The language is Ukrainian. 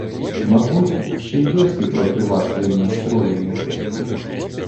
Мабуть, ще й досі проти вас він настроєний.